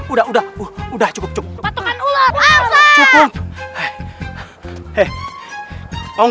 udah udah udah cukup cukup